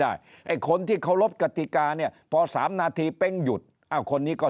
ไอ้คนที่เคารพกติกาเนี่ยพอสามนาทีเป๊งหยุดอ้าวคนนี้ก็